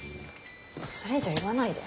それ以上言わないで。